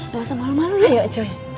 cuy jangan malu malu ya cuy